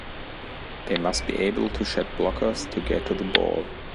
They must be able to shed blockers to get to the ball.